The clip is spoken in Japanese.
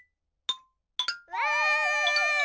わ！